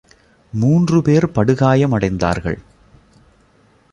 மூன்று பேர் படுகாயம் அடைந்தார்கள்.